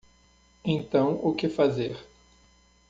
Então o que fazer